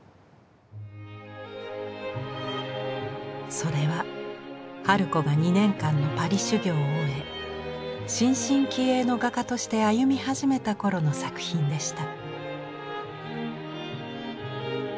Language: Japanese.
それは春子が２年間のパリ修業を終え新進気鋭の画家として歩み始めた頃の作品でした。